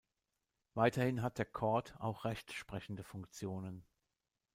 Weiterhin hat der Court auch rechtsprechende Funktionen.